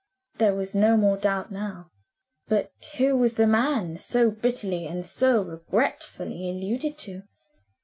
There was no more doubt now. But who was the man, so bitterly and so regretfully alluded to?